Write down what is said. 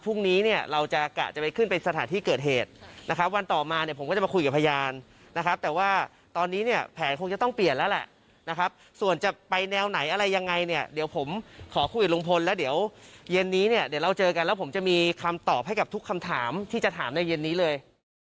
พรุ่งนี้เนี่ยเราจะกะจะไปขึ้นไปสถานที่เกิดเหตุนะครับวันต่อมาเนี่ยผมก็จะมาคุยกับพยานนะครับแต่ว่าตอนนี้เนี่ยแผนคงจะต้องเปลี่ยนแล้วแหละนะครับส่วนจะไปแนวไหนอะไรยังไงเนี่ยเดี๋ยวผมขอคุยกับลุงพลแล้วเดี๋ยวเย็นนี้เนี่ยเดี๋ยวเราเจอกันแล้วผมจะมีคำตอบให้กับทุกคำถามที่จะถามในเย็นนี้เลย